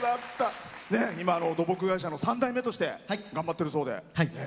今、土木会社の３代目として頑張ってるそうで。